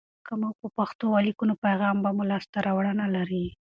که موږ په پښتو ولیکو، نو پیغام به مو لاسته راوړنه لري.